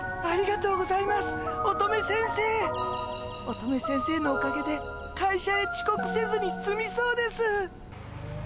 乙女先生のおかげで会社へちこくせずにすみそうです。